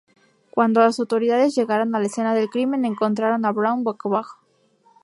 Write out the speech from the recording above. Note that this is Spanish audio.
Cuando las autoridades llegaron a la escena del crimen, encontraron a Brown boca abajo.